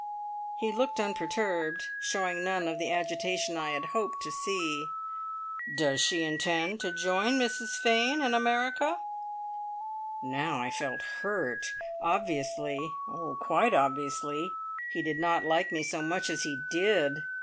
He looked unperturbed. Showed none of the agitation I had hoped to see. "Does she intend to join Mrs Fane in America?" Now I felt hurt! Obviously, oh, quite obviously, he did not like me so much as he did!